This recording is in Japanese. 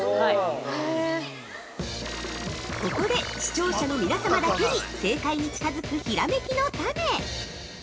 ◆ここで視聴者の皆様だけに正解に近づく、ひらめきのタネ。